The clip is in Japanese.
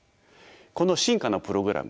この進化のプログラム